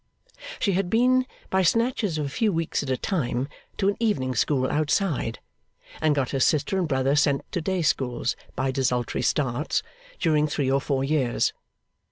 She had been, by snatches of a few weeks at a time, to an evening school outside, and got her sister and brother sent to day schools by desultory starts, during three or four years.